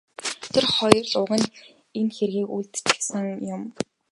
Тэр хоёр л уг нь энэ хэргийг үйлдчихсэн юм.